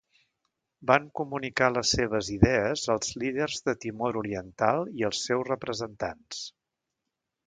Van comunicar les seves idees als líders de Timor Oriental i els seus representants.